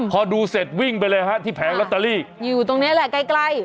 พอดูเสร็จวิ่งไปเลยฮะที่แผงลอตเตอรี่อยู่ตรงนี้แหละใกล้ใกล้